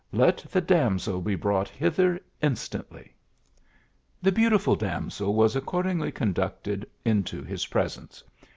Let the damsel be brought hither instantly The beautiful damsel was accordingly conducted into his presence.